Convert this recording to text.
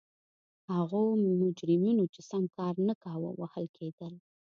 هغو مجرمینو چې سم کار نه کاوه وهل کېدل.